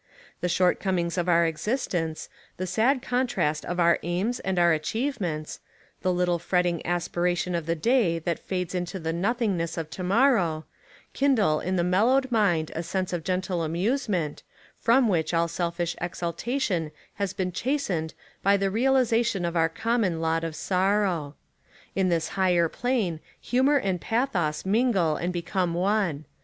The shortcomings of our 113 Essays and Literary Studies existence, the sad contrast of our alms and our achievements, the little fretting aspiration of the day that fades Into the nothingness of to morrow, kindle in the mellowed mind a sense of gentle amusement from which all selfish exultation has been chastened by the realisation of our common lot of sorrow. On this higher plane humour and pathos mingle and become one.